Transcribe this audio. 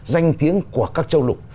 danh tiếng của các châu lục